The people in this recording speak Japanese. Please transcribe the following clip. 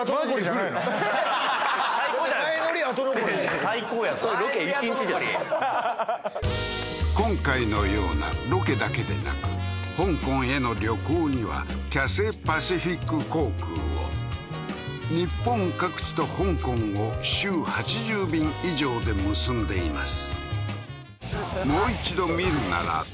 ははははっ最高じゃないですかそれロケ１日じゃないですか今回のようなロケだけでなく香港への旅行にはキャセイパシフィック航空を日本各地と香港を週８０便以上で結んでいます